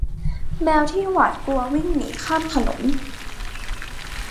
แมวที่หวาดกลัววิ่งหนีข้ามถนน